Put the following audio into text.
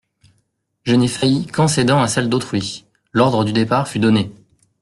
Je n'ai failli qu'en cédant à celles d'autrui.» L'ordre du départ fut donné.